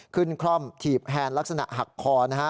คล่อมถีบแทนลักษณะหักคอนะฮะ